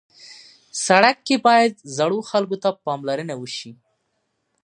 سړک کې باید زړو خلکو ته پاملرنه وشي.